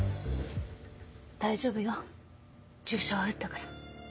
大丈夫よ注射は打ったから。